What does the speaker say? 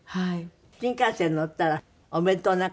新幹線に乗ったらお弁当なんか食べた？